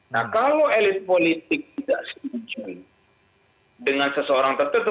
nah kalau elit politik tidak setuju dengan seseorang tertutup